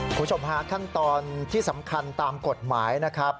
คุณผู้ชมฮะขั้นตอนที่สำคัญตามกฎหมายนะครับ